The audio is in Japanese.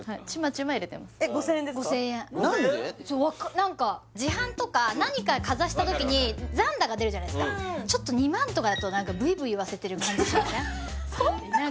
何か自販とか何かかざした時に残高出るじゃないですかちょっと２万とかだとブイブイ言わせてる感じしません？